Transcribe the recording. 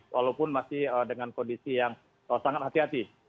walaupun masih dengan kondisi yang sangat hati hati